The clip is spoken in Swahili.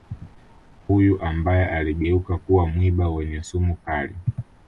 huyu ambaye aligeuka kuwa mwiba wenye sumu kali